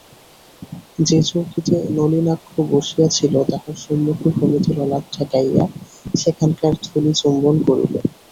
যে চৌকিতে নলিনাক্ষ বসিয়াছিল তাহার সম্মুখে ভূমিতে ললাট ঠেকাইয়া সেখানকার ধূলি চুম্বন করিল।